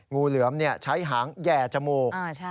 งูเหลือมใช้หางแห่จมูก